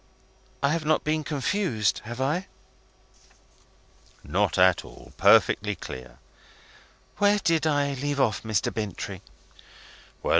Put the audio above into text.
I have not been confused, have I?" "Not at all. Perfectly clear." "Where did I leave off, Mr. Bintrey?"